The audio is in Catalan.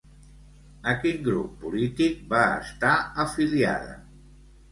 A quin grup polític va estar afiliada?